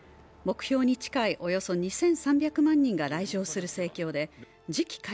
目標に近いおよそ２３００万人が来場する盛況で次期